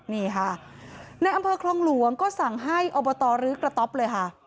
นี่ค่ะในอำเภอคลองหลวงก็สั่งให้อบตรื้อกระต๊อปเลยค่ะ